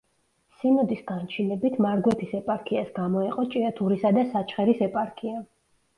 სინოდის განჩინებით მარგვეთის ეპარქიას გამოეყო ჭიათურისა და საჩხერის ეპარქია.